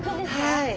はい。